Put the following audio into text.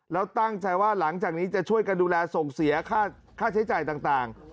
แล้วตั้งใจว่าหลังจากนี้จะช่วยกันดูแลส่งเสียค่าใช้จ่ายต่าง